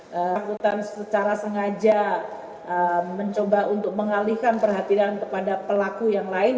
bersangkutan secara sengaja mencoba untuk mengalihkan perhatian kepada pelaku yang lain